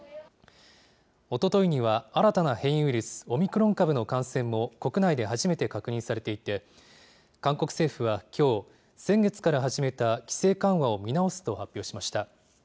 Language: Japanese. おとといには新たな変異ウイルス、オミクロン株の感染も国内で初めて確認されていて、韓国政府はきょう、先月から始めた規制緩和を見直すと発表しました。